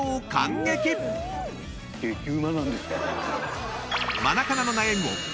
激うまなんですけど。